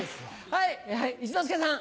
はい一之輔さん。